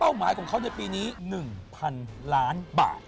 หมายของเขาในปีนี้๑๐๐๐ล้านบาท